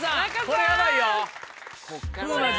これはヤバいぞ。